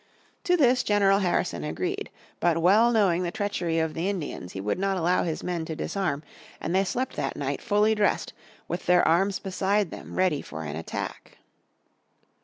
To this General Harrison agreed. But well knowing the treachery of the Indians he would not allow his men to disarm, and they slept that night fully dressed, and with their arms beside them ready for an attack.